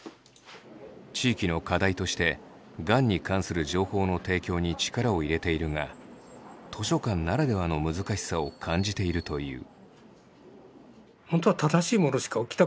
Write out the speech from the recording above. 地域の課題としてがんに関する情報の提供に力を入れているが図書館ならではの難しさを感じているという。